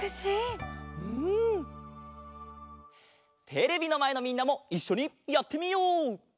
テレビのまえのみんなもいっしょにやってみよう！